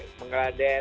sama di bangladesh